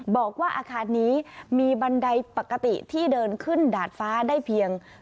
บอกว่าอาคารนี้มีบันไดปกติที่เดินขึ้นดาดฟ้าได้เพียง